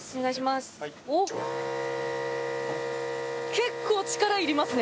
結構力いりますね。